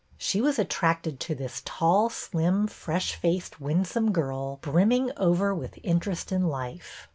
She was attracted to this tall, slim, fresh faced, winsome girl brimming over with interest in life.